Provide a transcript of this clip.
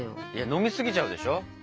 飲み過ぎちゃうでしょ。